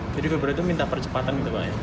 jadi beberapa itu minta percepatan gitu bang